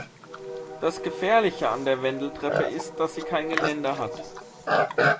Das Gefährliche an der Wendeltreppe ist, dass sie kein Geländer hat.